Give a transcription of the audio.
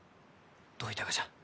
どういたがじゃ？